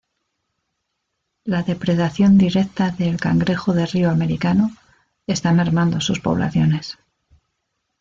La depredación directa de el cangrejo de río americano, está mermando sus poblaciones.